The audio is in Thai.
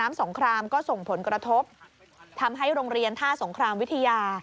สงครามก็ส่งผลกระทบทำให้โรงเรียนท่าสงครามวิทยา